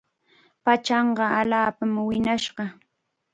Pachanqa allaapam wiñashqa.